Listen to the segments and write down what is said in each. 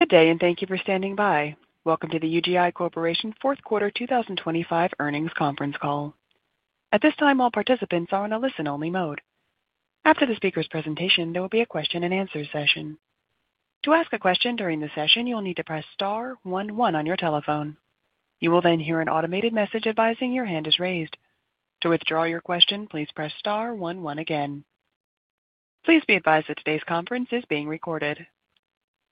Good day, and thank you for standing by. Welcome to the UGI Corporation Fourth Quarter 2025 Earnings Conference Call. At this time, all participants are in a listen-only mode. After the speaker's presentation, there will be a question-and-answer session. To ask a question during the session, you'll need to press star one one on your telephone. You will then hear an automated message advising your hand is raised. To withdraw your question, please press star 11 again. Please be advised that today's conference is being recorded.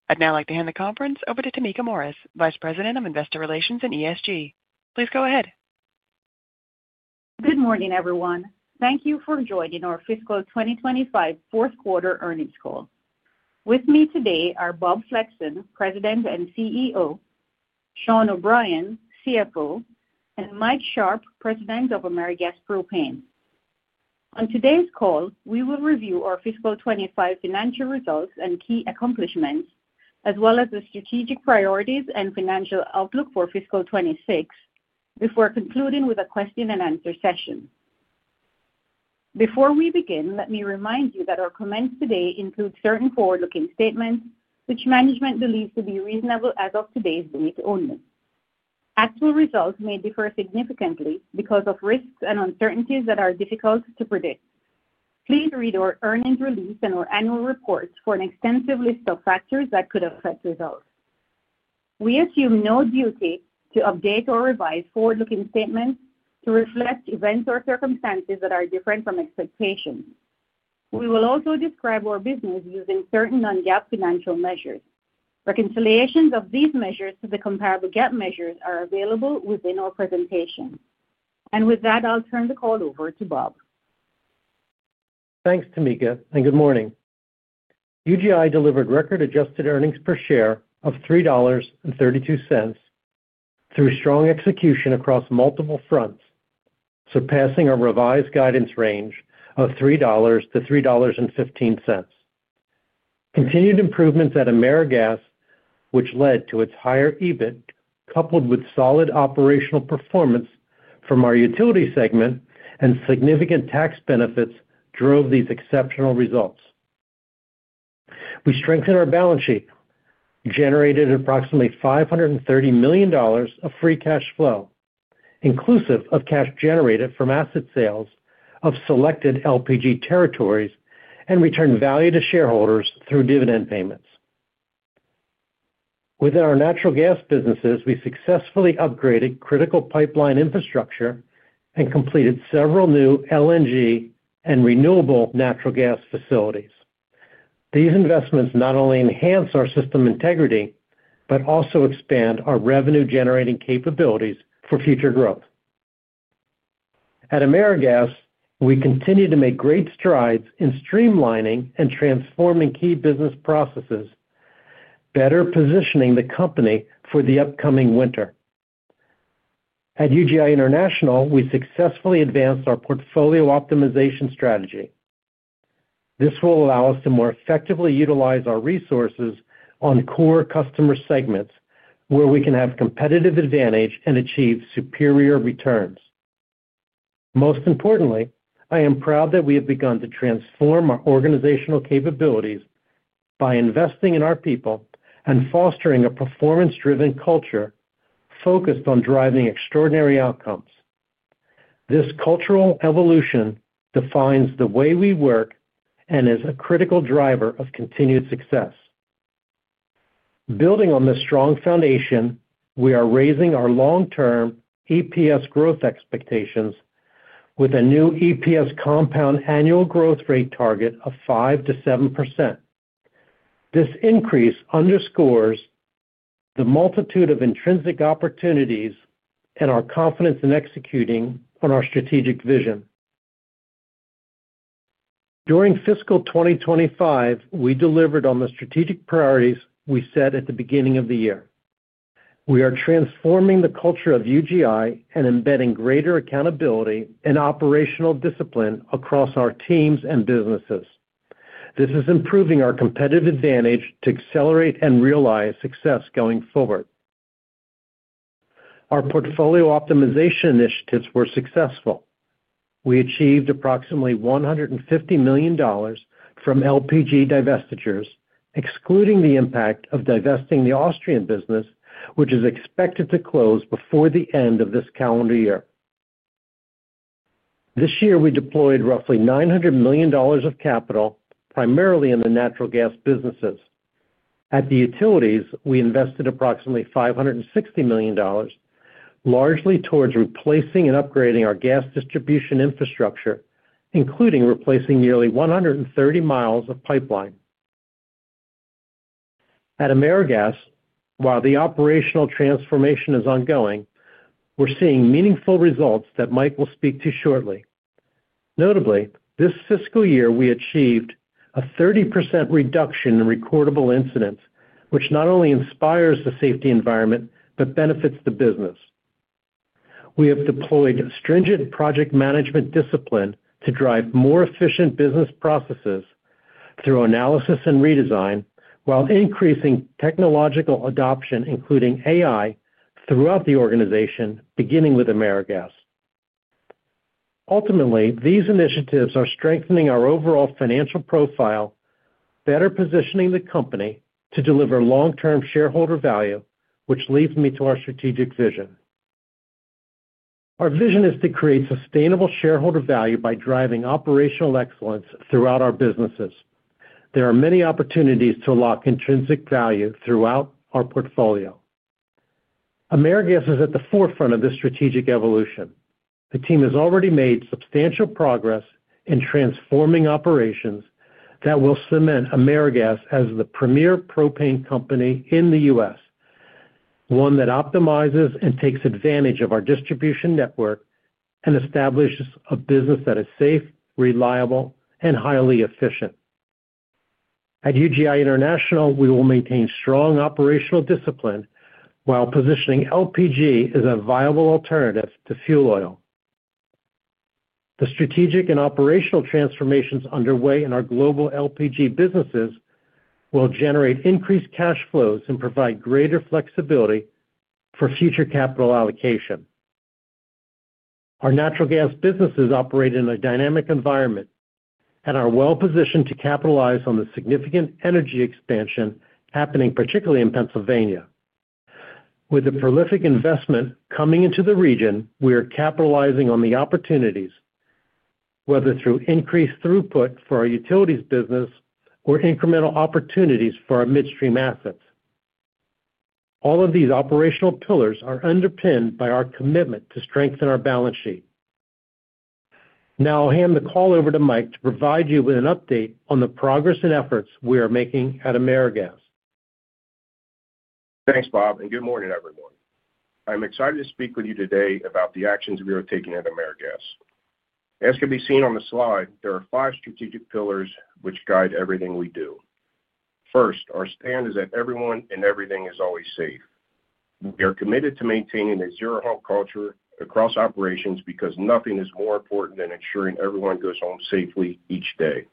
I'd now like to hand the conference over to Tameka Morris, Vice President of Investor Relations and ESG. Please go ahead. Good morning, everyone. Thank you for joining our Fiscal 2025 Fourth Quarter Earnings Call. With me today are Bob Flexon, President and CEO; Sean O'Brien, CFO; and Mike Sharp, President of AmeriGas Propane. On today's call, we will review our Fiscal 2025 financial results and key accomplishments, as well as the strategic priorities and financial outlook for Fiscal 2026, before concluding with a question-and-answer session. Before we begin, let me remind you that our comments today include certain forward-looking statements, which management believes to be reasonable as of today's date only. Actual results may differ significantly because of risks and uncertainties that are difficult to predict. Please read our earnings release and our annual reports for an extensive list of factors that could affect results. We assume no duty to update or revise forward-looking statements to reflect events or circumstances that are different from expectations. We will also describe our business using certain non-GAAP financial measures. Reconciliations of these measures to the comparable GAAP measures are available within our presentation. With that, I'll turn the call over to Bob. Thanks, Tameka, and good morning. UGI delivered record-adjusted earnings per share of $3.32 through strong execution across multiple fronts, surpassing our revised guidance range of $3-$3.15. Continued improvements at AmeriGas, which led to its higher EBIT, coupled with solid operational performance from our utility segment and significant tax benefits, drove these exceptional results. We strengthened our balance sheet, generated approximately $530 million of free cash flow, inclusive of cash generated from asset sales of selected LPG territories, and returned value to shareholders through dividend payments. Within our natural gas businesses, we successfully upgraded critical pipeline infrastructure and completed several new LNG and renewable natural gas facilities. These investments not only enhance our system integrity but also expand our revenue-generating capabilities for future growth. At AmeriGas, we continue to make great strides in streamlining and transforming key business processes, better positioning the company for the upcoming winter. At UGI International, we successfully advanced our portfolio optimization strategy. This will allow us to more effectively utilize our resources on core customer segments where we can have competitive advantage and achieve superior returns. Most importantly, I am proud that we have begun to transform our organizational capabilities by investing in our people and fostering a performance-driven culture focused on driving extraordinary outcomes. This cultural evolution defines the way we work and is a critical driver of continued success. Building on this strong foundation, we are raising our long-term EPS growth expectations with a new EPS compound annual growth rate target of 5%-7%. This increase underscores the multitude of intrinsic opportunities and our confidence in executing on our strategic vision. During Fiscal 2025, we delivered on the strategic priorities we set at the beginning of the year. We are transforming the culture of UGI and embedding greater accountability and operational discipline across our teams and businesses. This is improving our competitive advantage to accelerate and realize success going forward. Our portfolio optimization initiatives were successful. We achieved approximately $150 million from LPG divestitures, excluding the impact of divesting the Austrian business, which is expected to close before the end of this calendar year. This year, we deployed roughly $900 million of capital, primarily in the natural gas businesses. At the utilities, we invested approximately $560 million, largely towards replacing and upgrading our gas distribution infrastructure, including replacing nearly 130 mi of pipeline. At AmeriGas, while the operational transformation is ongoing, we're seeing meaningful results that Mike will speak to shortly. Notably, this fiscal year, we achieved a 30% reduction in recordable incidents, which not only inspires the safety environment but benefits the business. We have deployed stringent project management discipline to drive more efficient business processes through analysis and redesign, while increasing technological adoption, including AI, throughout the organization, beginning with AmeriGas. Ultimately, these initiatives are strengthening our overall financial profile, better positioning the company to deliver long-term shareholder value, which leads me to our strategic vision. Our vision is to create sustainable shareholder value by driving operational excellence throughout our businesses. There are many opportunities to lock intrinsic value throughout our portfolio. AmeriGas is at the forefront of this strategic evolution. The team has already made substantial progress in transforming operations that will cement AmeriGas as the premier propane company in the U.S., one that optimizes and takes advantage of our distribution network and establishes a business that is safe, reliable, and highly efficient. At UGI International, we will maintain strong operational discipline while positioning LPG as a viable alternative to fuel oil. The strategic and operational transformations underway in our global LPG businesses will generate increased cash flows and provide greater flexibility for future capital allocation. Our natural gas businesses operate in a dynamic environment and are well-positioned to capitalize on the significant energy expansion happening, particularly in Pennsylvania. With a prolific investment coming into the region, we are capitalizing on the opportunities, whether through increased throughput for our utilities business or incremental opportunities for our midstream assets. All of these operational pillars are underpinned by our commitment to strengthen our balance sheet. Now, I'll hand the call over to Mike to provide you with an update on the progress and efforts we are making at AmeriGas. Thanks, Bob, and good morning, everyone. I'm excited to speak with you today about the actions we are taking at AmeriGas. As can be seen on the slide, there are five strategic pillars which guide everything we do. First, our stand is that everyone and everything is always safe. We are committed to maintaining a zero-harm culture across operations because nothing is more important than ensuring everyone goes home safely each day.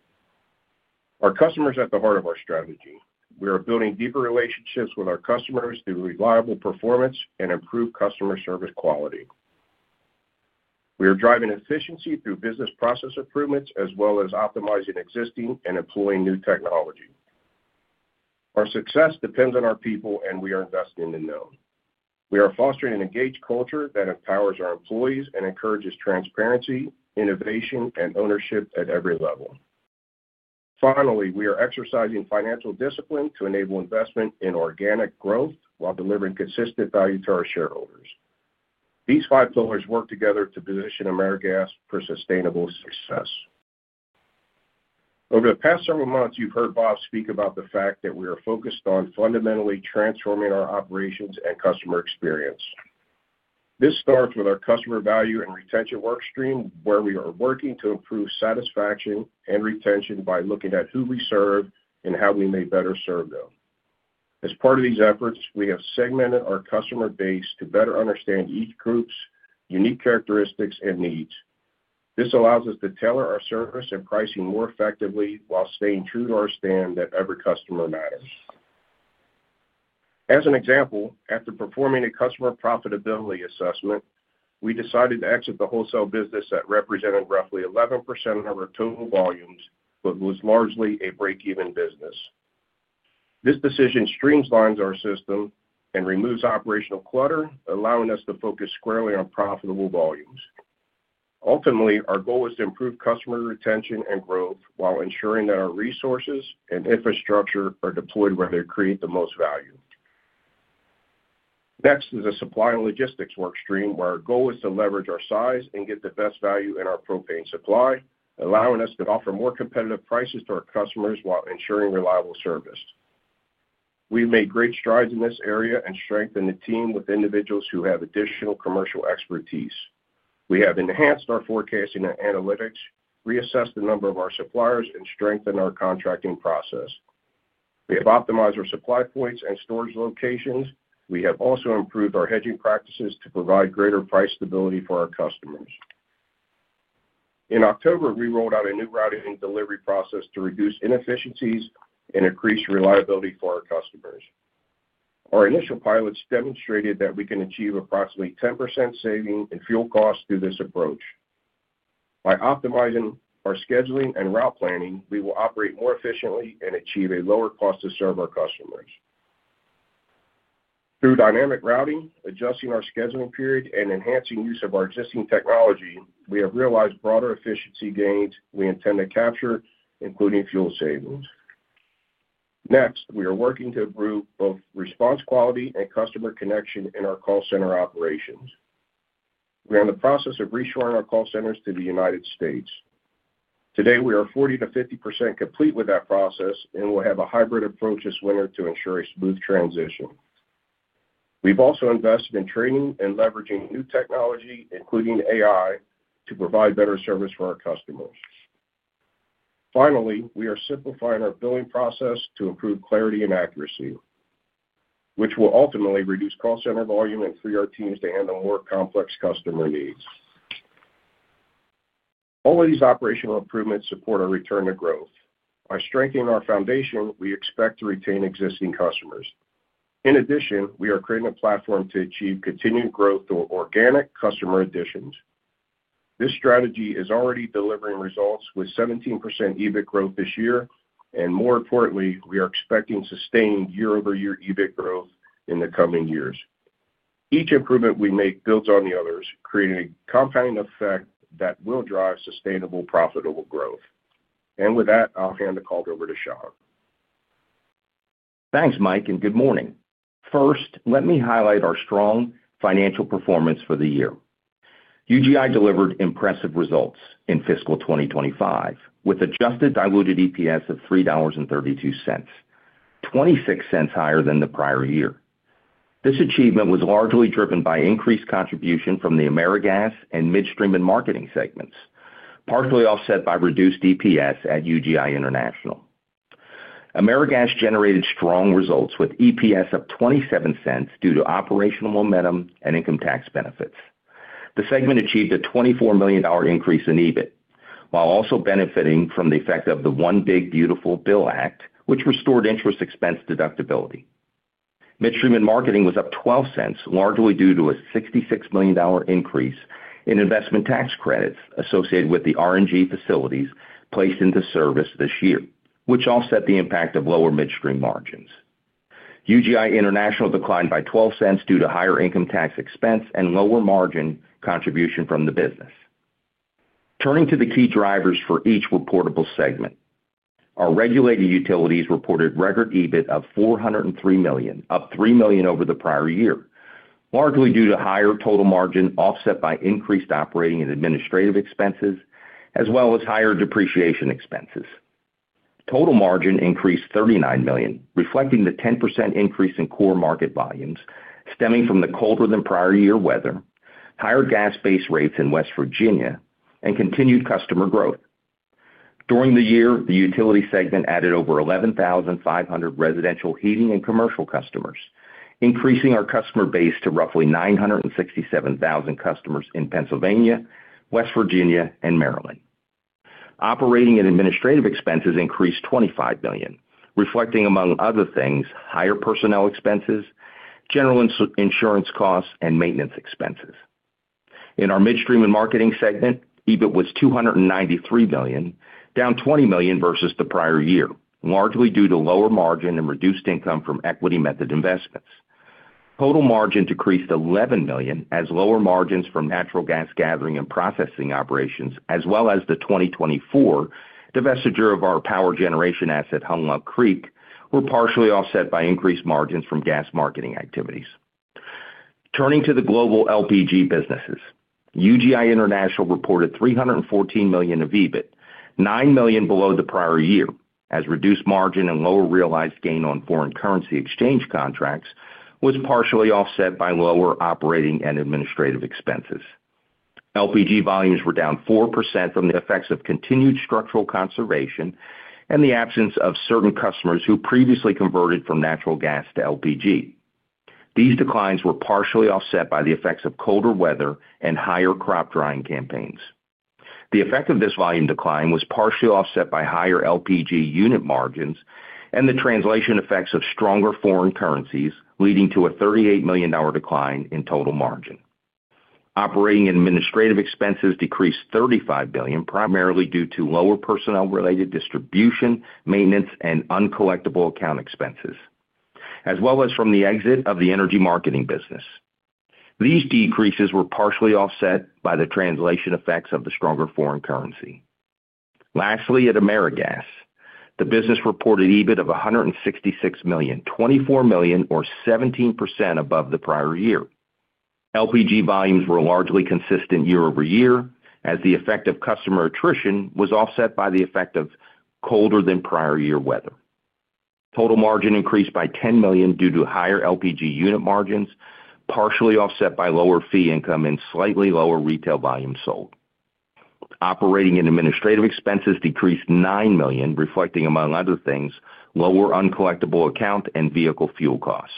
Our customer is at the heart of our strategy. We are building deeper relationships with our customers through reliable performance and improved customer service quality. We are driving efficiency through business process improvements, as well as optimizing existing and employing new technology. Our success depends on our people, and we are investing in them. We are fostering an engaged culture that empowers our employees and encourages transparency, innovation, and ownership at every level. Finally, we are exercising financial discipline to enable investment in organic growth while delivering consistent value to our shareholders. These five pillars work together to position AmeriGas for sustainable success. Over the past several months, you've heard Bob speak about the fact that we are focused on fundamentally transforming our operations and customer experience. This starts with our customer value and retention workstream, where we are working to improve satisfaction and retention by looking at who we serve and how we may better serve them. As part of these efforts, we have segmented our customer base to better understand each group's unique characteristics and needs. This allows us to tailor our service and pricing more effectively while staying true to our stand that every customer matters. As an example, after performing a customer profitability assessment, we decided to exit the wholesale business that represented roughly 11% of our total volumes, but was largely a break-even business. This decision streamlines our system and removes operational clutter, allowing us to focus squarely on profitable volumes. Ultimately, our goal is to improve customer retention and growth while ensuring that our resources and infrastructure are deployed where they create the most value. Next is a supply and logistics workstream, where our goal is to leverage our size and get the best value in our propane supply, allowing us to offer more competitive prices to our customers while ensuring reliable service. We've made great strides in this area and strengthened the team with individuals who have additional commercial expertise. We have enhanced our forecasting and analytics, reassessed the number of our suppliers, and strengthened our contracting process. We have optimized our supply points and storage locations. We have also improved our hedging practices to provide greater price stability for our customers. In October, we rolled out a new routing and delivery process to reduce inefficiencies and increase reliability for our customers. Our initial pilots demonstrated that we can achieve approximately 10% saving in fuel costs through this approach. By optimizing our scheduling and route planning, we will operate more efficiently and achieve a lower cost to serve our customers. Through dynamic routing, adjusting our scheduling period, and enhancing use of our existing technology, we have realized broader efficiency gains we intend to capture, including fuel savings. Next, we are working to improve both response quality and customer connection in our call center operations. We are in the process of reshoring our call centers to the United States. Today, we are 40%-50% complete with that process and will have a hybrid approach this winter to ensure a smooth transition. We've also invested in training and leveraging new technology, including AI, to provide better service for our customers. Finally, we are simplifying our billing process to improve clarity and accuracy, which will ultimately reduce call center volume and free our teams to handle more complex customer needs. All of these operational improvements support our return to growth. By strengthening our foundation, we expect to retain existing customers. In addition, we are creating a platform to achieve continued growth through organic customer additions. This strategy is already delivering results with 17% EBIT growth this year, and more importantly, we are expecting sustained year-over-year EBIT growth in the coming years. Each improvement we make builds on the others, creating a compound effect that will drive sustainable, profitable growth, and with that, I'll hand the call over to Sean. Thanks, Mike, and good morning. First, let me highlight our strong financial performance for the year. UGI delivered impressive results in fiscal 2025 with adjusted diluted EPS of $3.32, $0.26 higher than the prior year. This achievement was largely driven by increased contribution from the AmeriGas and Midstream and Marketing segments, partially offset by reduced EPS at UGI International. AmeriGas generated strong results with EPS of $0.27 due to operational momentum and income tax benefits. The segment achieved a $24 million increase in EBIT, while also benefiting from the effect of the One Big Beautiful Bill Act, which restored interest expense deductibility. Midstream and Marketing was up $0.12, largely due to a $66 million increase in investment tax credits associated with the RNG facilities placed into service this year, which offset the impact of lower midstream margins. UGI International declined by $0.12 due to higher income tax expense and lower margin contribution from the business. Turning to the key drivers for each reportable segment, our regulated utilities reported record EBIT of $403 million, up $3 million over the prior year, largely due to higher total margin offset by increased operating and administrative expenses, as well as higher depreciation expenses. Total margin increased $39 million, reflecting the 10% increase in core market volumes stemming from the colder than prior year weather, higher gas base rates in West Virginia, and continued customer growth. During the year, the utility segment added over 11,500 residential heating and commercial customers, increasing our customer base to roughly 967,000 customers in Pennsylvania, West Virginia, and Maryland. Operating and administrative expenses increased $25 million, reflecting, among other things, higher personnel expenses, general insurance costs, and maintenance expenses. In our midstream and marketing segment, EBIT was $293 million, down $20 million versus the prior year, largely due to lower margin and reduced income from equity method investments. Total margin decreased $11 million as lower margins from natural gas gathering and processing operations, as well as the 2024 divestiture of our power generation asset, Hunlock Creek, were partially offset by increased margins from gas marketing activities. Turning to the global LPG businesses, UGI International reported $314 million of EBIT, $9 million below the prior year, as reduced margin and lower realized gain on foreign currency exchange contracts was partially offset by lower operating and administrative expenses. LPG volumes were down 4% from the effects of continued structural conservation and the absence of certain customers who previously converted from natural gas to LPG. These declines were partially offset by the effects of colder weather and higher crop drying campaigns. The effect of this volume decline was partially offset by higher LPG unit margins and the translation effects of stronger foreign currencies, leading to a $38 million decline in total margin. Operating and administrative expenses decreased $35 million, primarily due to lower personnel-related distribution, maintenance, and uncollectible account expenses, as well as from the exit of the energy marketing business. These decreases were partially offset by the translation effects of the stronger foreign currency. Lastly, at AmeriGas, the business reported EBIT of $166 million, $24 million, or 17% above the prior year. LPG volumes were largely consistent year-over-year, as the effect of customer attrition was offset by the effect of colder than prior year weather. Total margin increased by $10 million due to higher LPG unit margins, partially offset by lower fee income and slightly lower retail volume sold. Operating and administrative expenses decreased $9 million, reflecting, among other things, lower uncollectible account and vehicle fuel costs.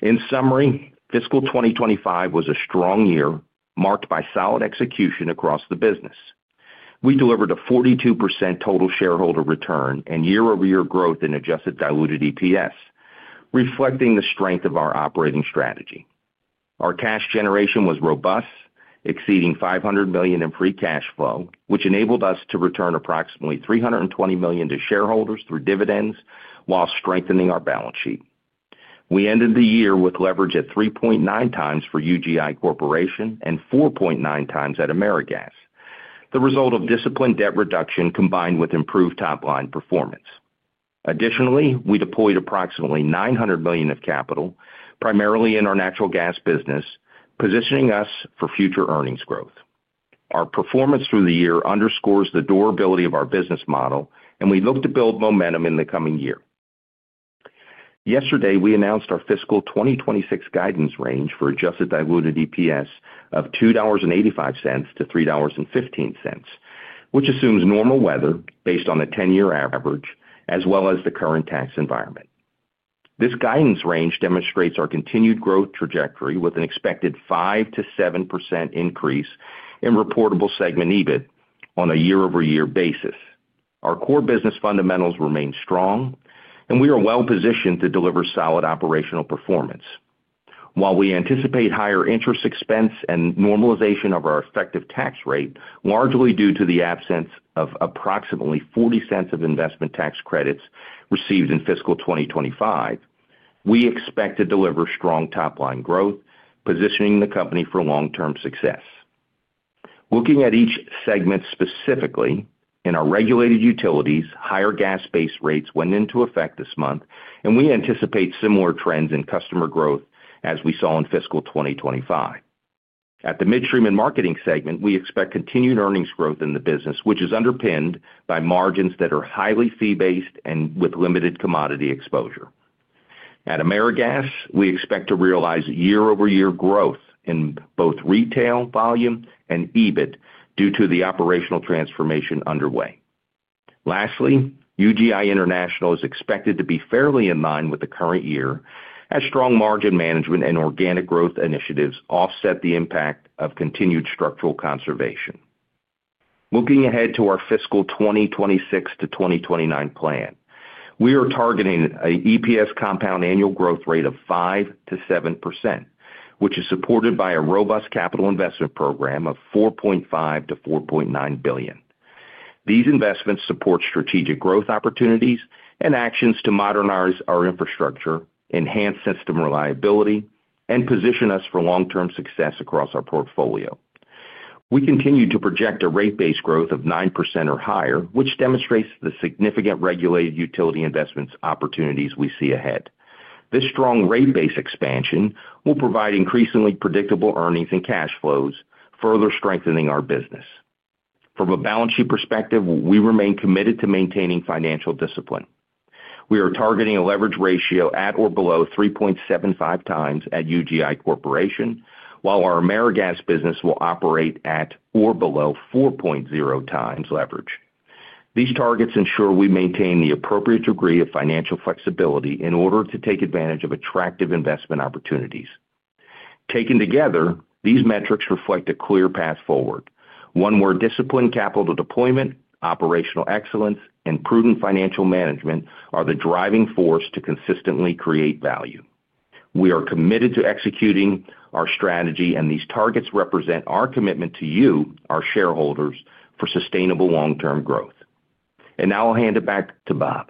In summary, fiscal 2025 was a strong year marked by solid execution across the business. We delivered a 42% total shareholder return and year-over-year growth in adjusted diluted EPS, reflecting the strength of our operating strategy. Our cash generation was robust, exceeding $500 million in free cash flow, which enabled us to return approximately $320 million to shareholders through dividends while strengthening our balance sheet. We ended the year with leverage at 3.9x for UGI Corporation and 4.9x at AmeriGas, the result of disciplined debt reduction combined with improved top-line performance. Additionally, we deployed approximately $900 million of capital, primarily in our natural gas business, positioning us for future earnings growth. Our performance through the year underscores the durability of our business model, and we look to build momentum in the coming year. Yesterday, we announced our fiscal 2026 guidance range for adjusted diluted EPS of $2.85-$3.15, which assumes normal weather based on a 10-year average, as well as the current tax environment. This guidance range demonstrates our continued growth trajectory with an expected 5%-7% increase in reportable segment EBIT on a year-over-year basis. Our core business fundamentals remain strong, and we are well-positioned to deliver solid operational performance. While we anticipate higher interest expense and normalization of our effective tax rate, largely due to the absence of approximately $0.40 of investment tax credits received in fiscal 2025, we expect to deliver strong top-line growth, positioning the company for long-term success. Looking at each segment specifically, in our regulated utilities, higher gas base rates went into effect this month, and we anticipate similar trends in customer growth as we saw in fiscal 2025. At the midstream and marketing segment, we expect continued earnings growth in the business, which is underpinned by margins that are highly fee-based and with limited commodity exposure. At AmeriGas, we expect to realize year-over-year growth in both retail volume and EBIT due to the operational transformation underway. Lastly, UGI International is expected to be fairly in line with the current year as strong margin management and organic growth initiatives offset the impact of continued structural conservation. Looking ahead to our fiscal 2026 to 2029 plan, we are targeting an EPS compound annual growth rate of 5%-7%, which is supported by a robust capital investment program of $4.5 billion-$4.9 billion. These investments support strategic growth opportunities and actions to modernize our infrastructure, enhance system reliability, and position us for long-term success across our portfolio. We continue to project a rate-based growth of 9 percent or higher, which demonstrates the significant regulated utility investments opportunities we see ahead. This strong rate-based expansion will provide increasingly predictable earnings and cash flows, further strengthening our business. From a balance sheet perspective, we remain committed to maintaining financial discipline. We are targeting a leverage ratio at or below 3.75x at UGI Corporation, while our AmeriGas business will operate at or below 4.0x leverage. These targets ensure we maintain the appropriate degree of financial flexibility in order to take advantage of attractive investment opportunities. Taken together, these metrics reflect a clear path forward, one where disciplined capital deployment, operational excellence, and prudent financial management are the driving force to consistently create value. We are committed to executing our strategy, and these targets represent our commitment to you, our shareholders, for sustainable long-term growth. And now I'll hand it back to Bob.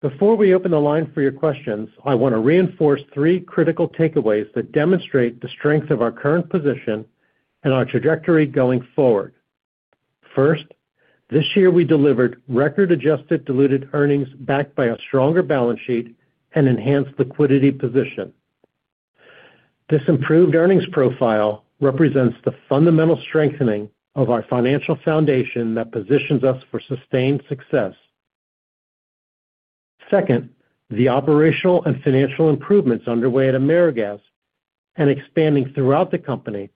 Before we open the line for your questions, I want to reinforce three critical takeaways that demonstrate the strength of our current position and our trajectory going forward. First, this year we delivered record-adjusted diluted earnings backed by a stronger balance sheet and enhanced liquidity position. This improved earnings profile represents the fundamental strengthening of our financial foundation that positions us for sustained success. Second, the operational and financial improvements underway at AmeriGas and expanding throughout the company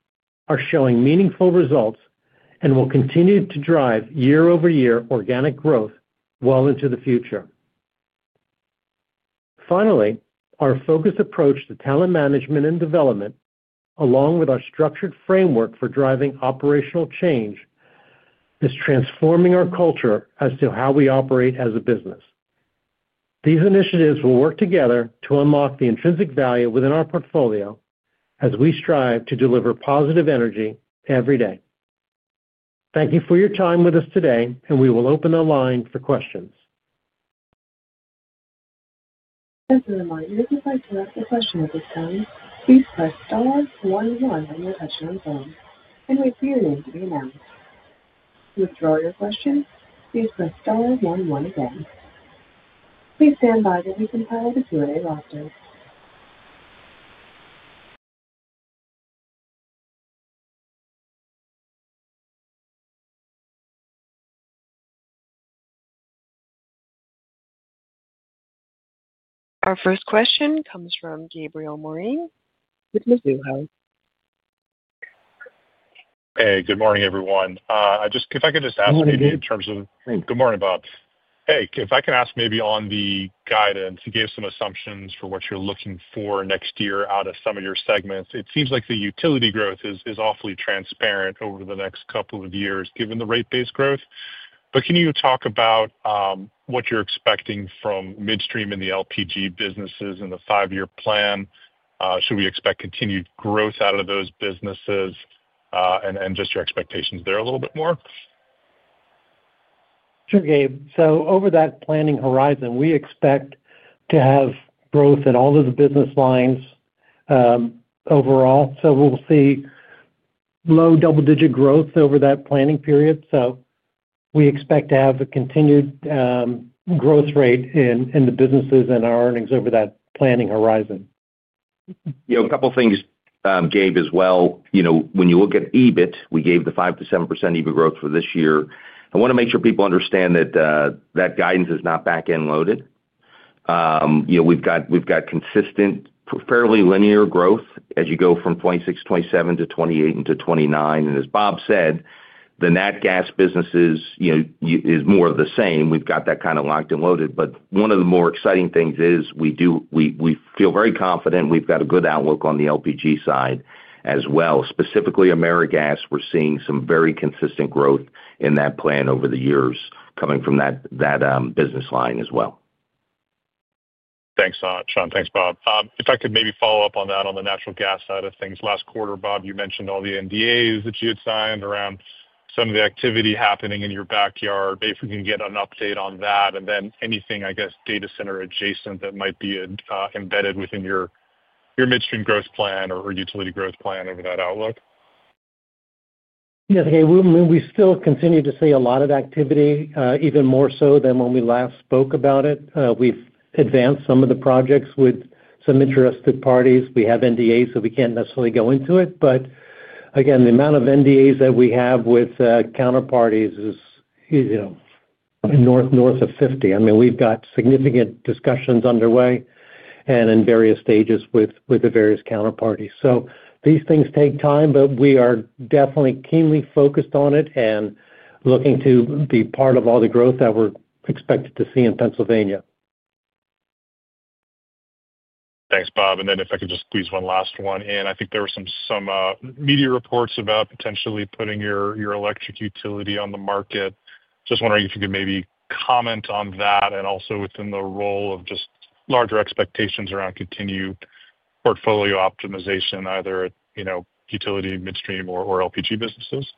are showing meaningful results and will continue to drive year-over-year organic growth well into the future. Finally, our focus approach to talent management and development, along with our structured framework for driving operational change, is transforming our culture as to how we operate as a business. These initiatives will work together to unlock the intrinsic value within our portfolio as we strive to deliver positive energy every day. Thank you for your time with us today, and we will open the line for questions. Thank you. If you'd like to ask a question at this time, please press star one one on your touchdown phone, and wait for your name to be announced. To withdraw your question, please press star one one again. Please stand by while we compile the Q&A roster. Our first question comes from Gabriel Moreen with Mizuho. Hey, good morning, everyone. If I could just ask maybe in terms of. Hi. Good morning, Bob. Hey. If I can ask maybe on the guidance, you gave some assumptions for what you're looking for next year out of some of your segments. It seems like the utility growth is awfully transparent over the next couple of years given the rate-based growth. But can you talk about what you're expecting from midstream in the LPG businesses in the five-year plan? Should we expect continued growth out of those businesses? And just your expectations there a little bit more. Sure, Gabe. So over that planning horizon, we expect to have growth in all of the business lines overall. So we'll see low double-digit growth over that planning period. So we expect to have a continued growth rate in the businesses and our earnings over that planning horizon. A couple of things, Gabe, as well. When you look at EBIT, we gave the 5%-7% EBIT growth for this year. I want to make sure people understand that that guidance is not back-end loaded. We've got consistent, fairly linear growth as you go from 26, 27 to 28 into 29. And as Bob said, the Nat Gas business is more of the same. We've got that kind of locked and loaded. But one of the more exciting things is we feel very confident we've got a good outlook on the LPG side as well. Specifically, AmeriGas, we're seeing some very consistent growth in that plan over the years coming from that business line as well. Thanks, Sean. Thanks, Bob. If I could maybe follow up on that on the natural gas side of things. Last quarter, Bob, you mentioned all the NDAs that you had signed around some of the activity happening in your backyard. If we can get an update on that and then anything, I guess, data center adjacent that might be embedded within your midstream growth plan or utility growth plan over that outlook. Yes, Gabe. We still continue to see a lot of activity, even more so than when we last spoke about it. We've advanced some of the projects with some interested parties. We have NDAs, so we can't necessarily go into it. But again, the amount of NDAs that we have with counterparties is north of 50. I mean, we've got significant discussions underway and in various stages with the various counterparties. So these things take time, but we are definitely keenly focused on it and looking to be part of all the growth that we're expected to see in Pennsylvania. Thanks, Bob. And then if I could just squeeze one last one in. I think there were some media reports about potentially putting your electric utility on the market. Just wondering if you could maybe comment on that and also within the role of just larger expectations around continued portfolio optimization, either utility midstream or LPG businesses.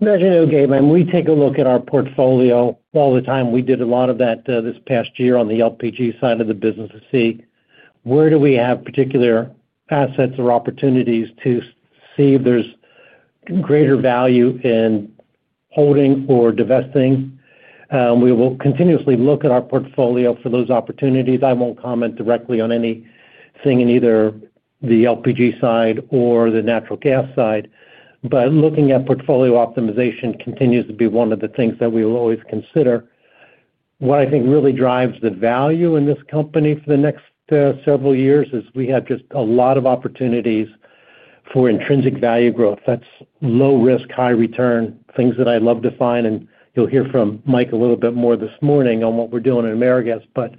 As you know, Gabe, when we take a look at our portfolio all the time, we did a lot of that this past year on the LPG side of the business to see where do we have particular assets or opportunities to see if there's greater value in holding or divesting. We will continuously look at our portfolio for those opportunities. I won't comment directly on anything in either the LPG side or the natural gas side. But looking at portfolio optimization continues to be one of the things that we will always consider. What I think really drives the value in this company for the next several years is we have just a lot of opportunities for intrinsic value growth. That's low risk, high return, things that I love to find. And you'll hear from Mike a little bit more this morning on what we're doing in AmeriGas. But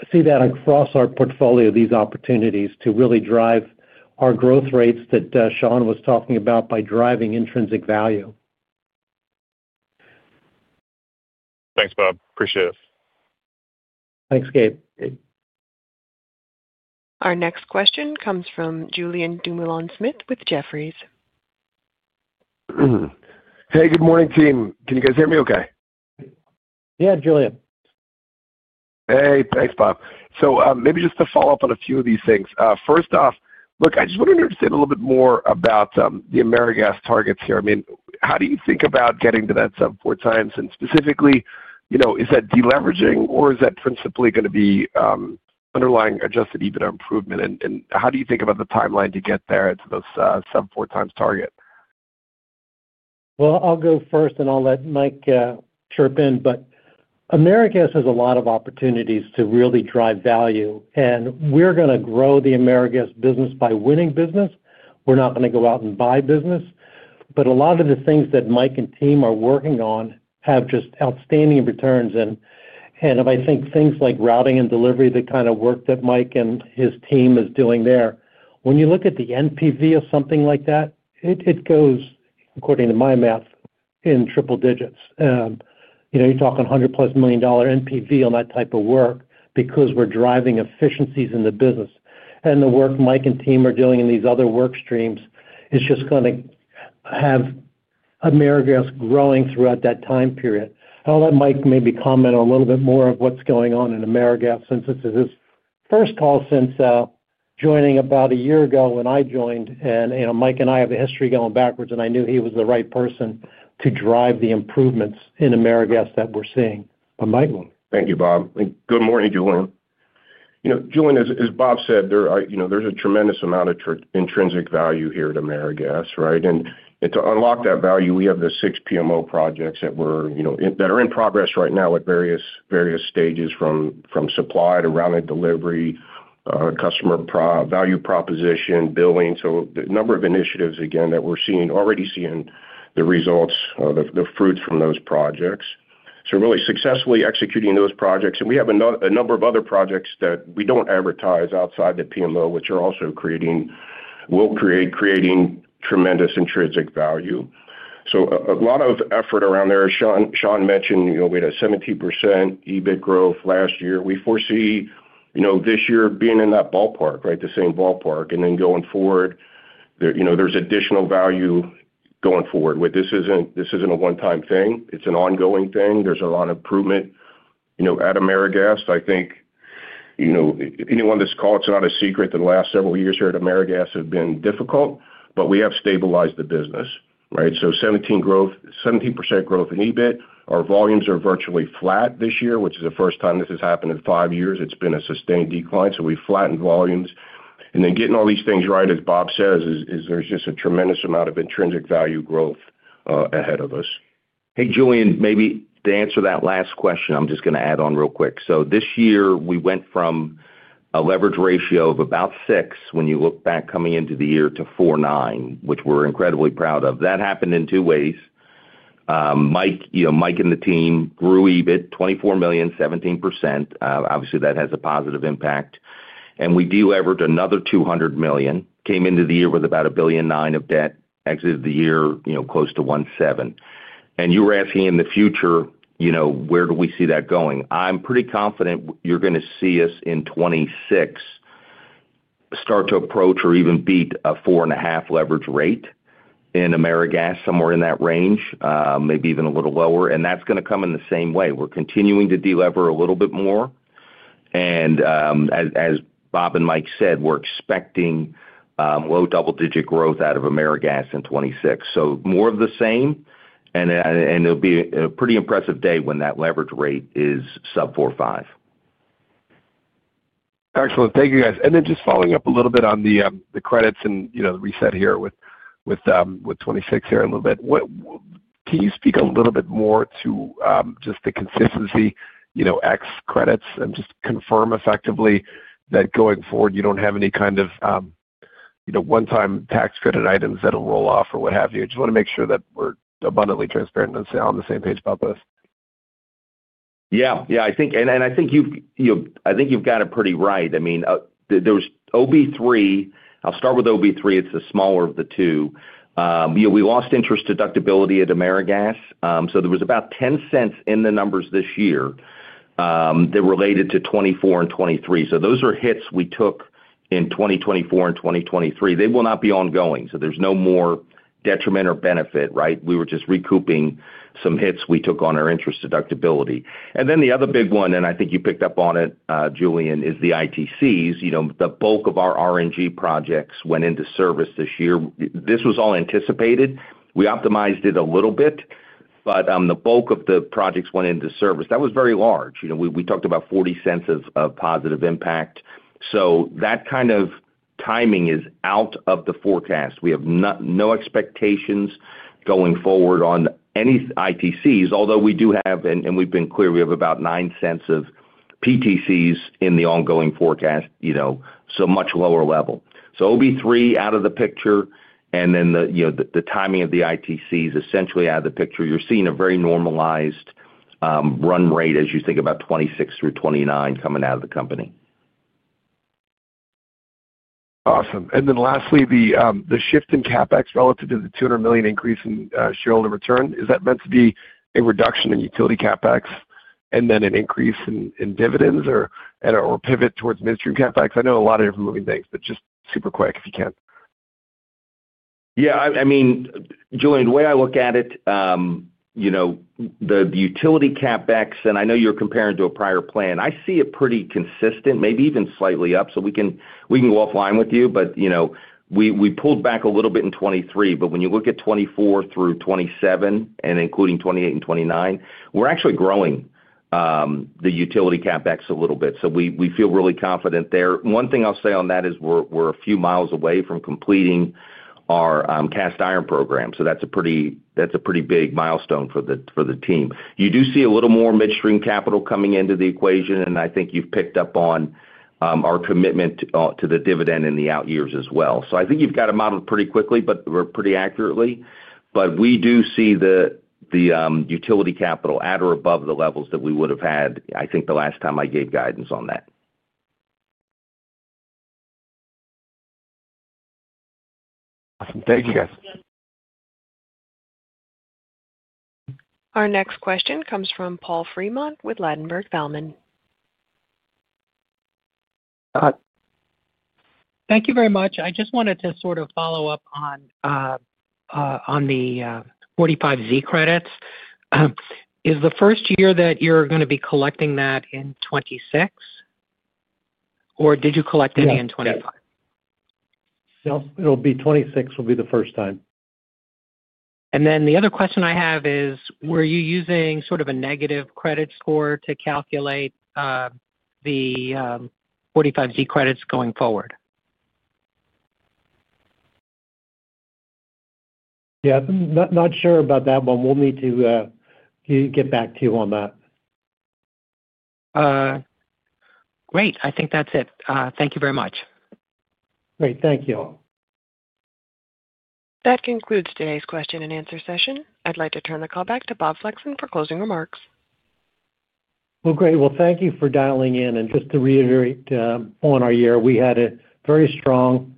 I see that across our portfolio, these opportunities to really drive our growth rates that Sean was talking about by driving intrinsic value. Thanks, Bob. Appreciate it. Thanks, Gabe. Our next question comes from Julien Dumoulin-Smith with Jefferies. Hey, good morning, team. Can you guys hear me okay? Yeah, Julien. Hey, thanks, Bob. So maybe just to follow up on a few of these things. First off, look, I just want to understand a little bit more about the AmeriGas targets here. I mean, how do you think about getting to that sub four times? And specifically, is that deleveraging, or is that principally going to be underlying adjusted EBITDA improvement? And how do you think about the timeline to get there to those sub four times target? Well, I'll go first, and I'll let Mike chirp in. But AmeriGas has a lot of opportunities to really drive value. And we're going to grow the AmeriGas business by winning business. We're not going to go out and buy business. But a lot of the things that Mike and team are working on have just outstanding returns. And if I think things like routing and delivery, the kind of work that Mike and his team is doing there, when you look at the NPV of something like that, it goes, according to my math, in triple digits. You're talking 100-plus million dollar NPV on that type of work because we're driving efficiencies in the business. And the work Mike and team are doing in these other work streams is just going to have AmeriGas growing throughout that time period. I'll let Mike maybe comment a little bit more of what's going on in AmeriGas since this is his first call since joining about a year ago when I joined. And Mike and I have a history going backwards, and I knew he was the right person to drive the improvements in AmeriGas that we're seeing. But Mike will. Thank you, Bob. And good morning, Julien. Julien, as Bob said, there's a tremendous amount of intrinsic value here at AmeriGas, right? And to unlock that value, we have the six PMO projects that are in progress right now at various stages from supply to rounded delivery, customer value proposition, billing. So the number of initiatives, again, that we're already seeing the results, the fruits from those projects. So really successfully executing those projects. And we have a number of other projects that we don't advertise outside the PMO, which are also creating tremendous intrinsic value. So a lot of effort around there. Sean mentioned we had a 70% EBIT growth last year. We foresee this year being in that ballpark, right? The same ballpark. And then going forward, there's additional value going forward. This isn't a one-time thing. It's an ongoing thing. There's a lot of improvement at AmeriGas. I think anyone that's called, it's not a secret, the last several years here at AmeriGas have been difficult, but we have stabilized the business, right? So 17% growth in EBIT. Our volumes are virtually flat this year, which is the first time this has happened in five years. It's been a sustained decline. So we've flattened volumes. And then getting all these things right, as Bob says, is there's just a tremendous amount of intrinsic value growth ahead of us. Hey, Julien, maybe to answer that last question, I'm just going to add on real quick. So, this year, we went from a leverage ratio of about six when you look back coming into the year to 4.9, which we're incredibly proud of. That happened in two ways. Mike and the team grew EBIT, $24 million, 17%. Obviously, that has a positive impact. And we deleveraged another $200 million, came into the year with about a $1.9 billion of debt, exited the year close to $1.7 billion. And you were asking in the future, where do we see that going? I'm pretty confident you're going to see us in 2026 start to approach or even beat a 4.5 leverage rate in AmeriGas, somewhere in that range, maybe even a little lower. And that's going to come in the same way. We're continuing to delever a little bit more. And as Bob and Mike said, we're expecting low double-digit growth out of AmeriGas in 2026. So more of the same. And it'll be a pretty impressive day when that leverage rate is sub 4.5. Excellent. Thank you, guys. And then just following up a little bit on the credits and the reset here with 2026 here a little bit. Can you speak a little bit more to just the consistency X credits and just confirm effectively that going forward, you don't have any kind of one-time tax credit items that'll roll off or what have you? I just want to make sure that we're abundantly transparent and on the same page about this. Yeah. Yeah. And I think you've got it pretty right. I mean, there was OB3. I'll start with OB3. It's the smaller of the two. We lost interest deductibility at AmeriGas. So there was about 10 cents in the numbers this year that related to 2024 and 2023. So those are hits we took in 2024 and 2023. They will not be ongoing. So there's no more detriment or benefit, right? We were just recouping some hits we took on our interest deductibility. And then the other big one, and I think you picked up on it, Julien, is the ITCs. The bulk of our R&G projects went into service this year. This was all anticipated. We optimized it a little bit, but the bulk of the projects went into service. That was very large. We talked about $0.40 of positive impact. So that kind of timing is out of the forecast. We have no expectations going forward on any ITCs, although we do have, and we've been clear, we have about $0.9 of PTCs in the ongoing forecast, so much lower level. So OB3 out of the picture. And then the timing of the ITCs essentially out of the picture. You're seeing a very normalized run rate as you think about 2026 through 2029 coming out of the company. Awesome. And then lastly, the shift in CapEx relative to the $200 million increase in shareholder return. Is that meant to be a reduction in utility CapEx and then an increase in dividends or pivot towards midstream CapEx? I know a lot of different moving things, but just super quick if you can. Yeah. I mean, Julian, the way I look at it, the utility CapEx, and I know you're comparing to a prior plan. I see it pretty consistent, maybe even slightly up. So we can go offline with you, but we pulled back a little bit in 2023. But when you look at 2024 through 2027, and including 2028 and 2029, we're actually growing the utility CapEx a little bit. So we feel really confident there. One thing I'll say on that is we're a few miles away from completing our cast iron program. So that's a pretty big milestone for the team. You do see a little more midstream capital coming into the equation, and I think you've picked up on our commitment to the dividend in the out years as well. So I think you've got to model it pretty quickly, but pretty accurately. But we do see the utility capital at or above the levels that we would have had, I think, the last time I gave guidance on that. Awesome. Thank you, guys. Our next question comes from Paul Fremont with Ladenburg Thalmann. Got it. Thank you very much. I just wanted to sort of follow up on the 45Z credits. Is the first year that you're going to be collecting that in 2026, or did you collect any in 2025? Nope. It'll be 2026 will be the first time. And then the other question I have is, were you using sort of a negative credit score to calculate the 45Z credits going forward? Yeah. Not sure about that one. We'll need to get back to you on that. Great. I think that's it. Thank you very much. Great. Thank you. That concludes today's question and answer session. I'd like to turn the call back to Bob Flexon for closing remarks. Well, great. Well, thank you for dialing in. And just to reiterate, following our year, we had a very strong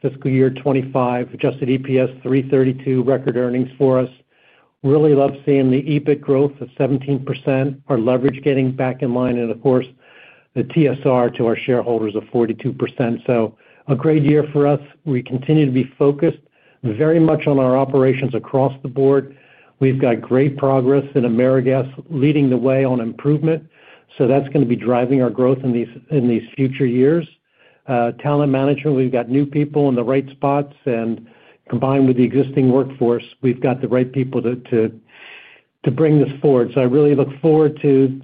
fiscal year '25, adjusted EPS 332 record earnings for us. Really love seeing the EBIT growth of 17%, our leverage getting back in line, and of course, the TSR to our shareholders of 42%. So a great year for us. We continue to be focused very much on our operations across the board. We've got great progress in AmeriGas leading the way on improvement. So that's going to be driving our growth in these future years. Talent management, we've got new people in the right spots. And combined with the existing workforce, we've got the right people to bring this forward. So I really look forward to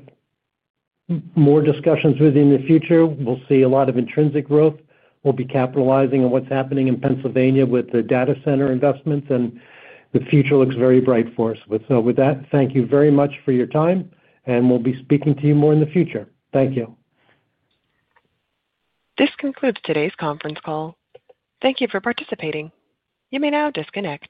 more discussions with you in the future. We'll see a lot of intrinsic growth. We'll be capitalizing on what's happening in Pennsylvania with the data center investments. And the future looks very bright for us. So with that, thank you very much for your time. And we'll be speaking to you more in the future. Thank you. This concludes today's conference call. Thank you for participating. You may now disconnect.